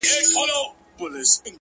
• وي د غم اوږدې كوڅې په خامـوشۍ كي؛